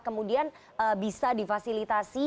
kemudian bisa difasilitasi